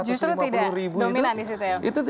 justru tidak dominan di situ ya